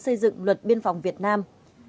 xây dựng luật biên phòng việt nam